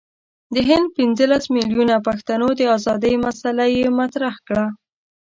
د هند پنځه لس میلیونه پښتنو د آزادی مسله یې مطرح کړه.